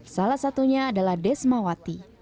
salah satunya adalah desmawati